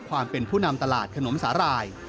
ความเป็นผู้นำตลาดขนมสาหร่าย